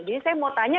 jadi saya mau tanya